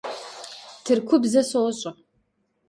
Tırkubze soş'e.